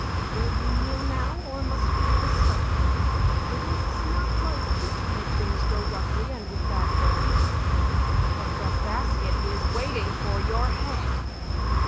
Will you kneel now, or must we have a scuffle? It is not like you to make things go roughly and with bad form. But the basket is waiting for your head."